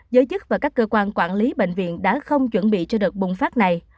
giới chức và các cơ quan quản lý bệnh viện đã không chuẩn bị cho đợt bùng phát này